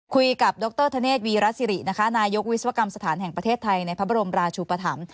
ดรธเนธวีรสิรินะคะนายกวิศวกรรมสถานแห่งประเทศไทยในพระบรมราชุปธรรม